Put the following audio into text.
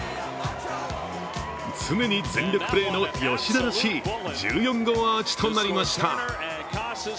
常に全力プレーの吉田らしい１４号アーチとなりました。